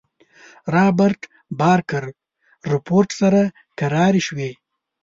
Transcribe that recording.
رابرټ بارکر رپوټ سره کراري شوې.